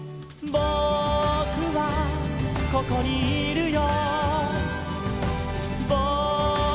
「ぼくはここにいるよ」